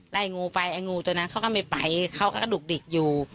ไล่งูไปไอ้งูตัวนั้นเขาก็ไม่ไปเขาก็กระดุกดิกอยู่